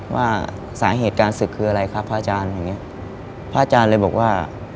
ว่าสาเหตุการศึกคืออะไรครับพระอาจารย์อย่างเงี้ยพระอาจารย์เลยบอกว่า